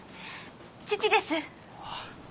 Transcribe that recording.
父です。